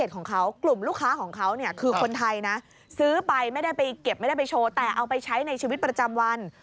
ของเขากลุ่มลูกค้าของเขาเนี่ยคือคนไทยนะซื้อไปไม่ได้ไปเก็บไม่ได้ไปโชว์แต่เอาไปใช้ในชีวิตประจำวัน